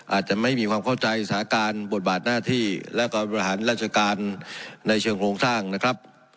อาจจะไม่มีความเข้าใจสถานการณ์บทบาทหน้าที่และการบริหารราชการในเชิงโครงสร้างนะครับ